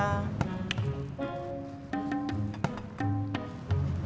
saya ga mau beli